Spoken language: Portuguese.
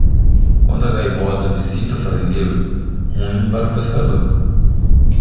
Quando a gaivota visita o fazendeiro, ruim para o pescador.